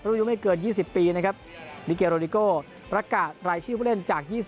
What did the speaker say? รูปยุงไม่เกิน๒๐ปีนะครับมิเกโรดิโกประกาศรายชีวิตภูมิเล่นจาก๒๐